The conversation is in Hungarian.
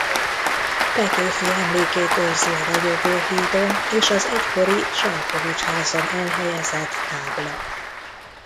Petőfi emlékét őrzi a Ragyogó-hídon és az egykori Salkovics-házon elhelyezett tábla.